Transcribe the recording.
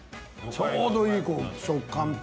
ちょうどいい食感と。